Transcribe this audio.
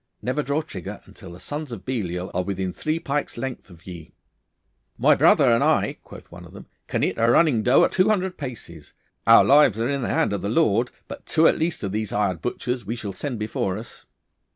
Never draw trigger until the sons of Belial are within three pikes' length of ye.' 'My brother and I,' quoth one of them, 'can hit a running doe at two hundred paces. Our lives are in the hands of the Lord, but two, at least, of these hired butchers we shall send before us.